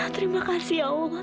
terima kasih ya allah